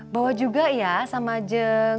bawa juga ya sama jeng